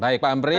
baik pak amri